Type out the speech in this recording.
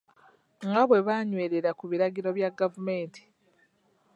Nga bwe banywerera ku biragiro bya gavumenti.